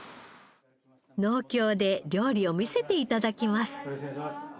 農協で料理を見せて頂きます。